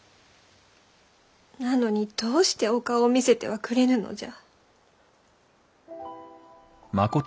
なのにどうしてお顔を見せてはくれぬのじゃ。